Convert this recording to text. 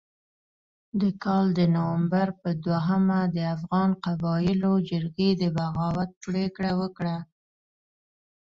د کال د نومبر په دوهمه د افغان قبایلو جرګې د بغاوت پرېکړه وکړه.